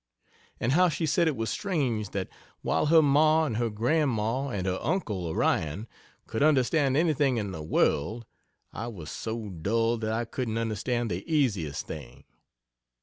And how she said it was strange that while her ma and her grandma and her uncle Orion could understand anything in the world, I was so dull that I couldn't understand the "ea siest thing?"